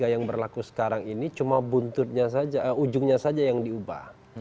yang berlaku sekarang ini cuma ujungnya saja yang diubah